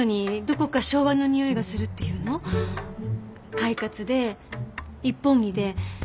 快活で一本気で。